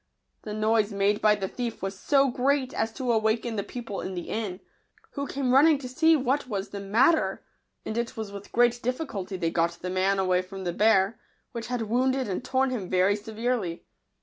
The noise made by the thief was so great as to awaken the people in the inn, who came running to see what was the mat ter; and it was with great difficulty they got the man away from the bear, which had wounded and tom him very severely.